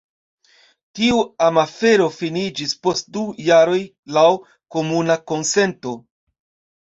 Tiu amafero finiĝis post du jaroj laŭ komuna konsento.